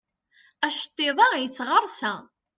Aceṭṭiḍ-a yettɣersa.